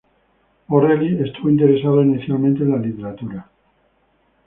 O'Reilly estuvo interesado inicialmente en la literatura.